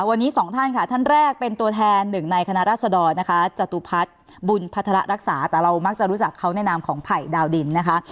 วันนี้สองท่านค่ะท่านแรกเป็นตัวแทนหนึ่งในคณะรัศดรนะคะจตุพัฒน์บุญพัฒระรักษาแต่เรามักจะรู้จักเขาในนามของไผ่ดาวดินนะคะ